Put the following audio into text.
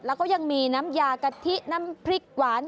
แล้วก็ยังมีน้ำยากะทิน้ำพริกหวาน